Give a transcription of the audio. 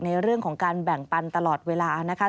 ในเรื่องของการแบ่งปันตลอดเวลานะคะ